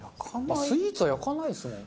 スイーツは焼かないですもんね。